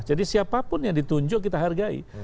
jadi siapapun yang ditunjuk kita hargai